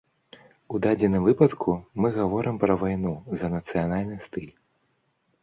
У дадзеным выпадку мы гаворым пра вайну за нацыянальны стыль.